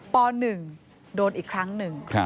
ป๑โดนอีกครั้งหนึ่ง